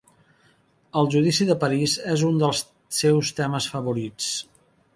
El judici de Paris és un dels seus temes favorits.